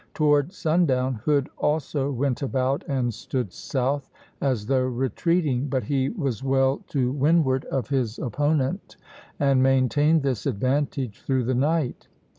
Toward sundown Hood also went about and stood south, as though retreating; but he was well to windward of his opponent, and maintained this advantage through the night.